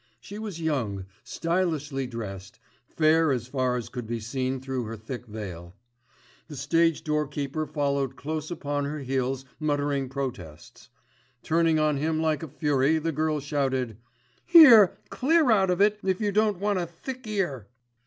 She was young, stylishly dressed, fair as far as could be seen through her thick veil. The stage doorkeeper followed close upon her heels muttering protests. Turning on him like a fury the girl shouted: "Here, clear out of it if you don't want a thick ear."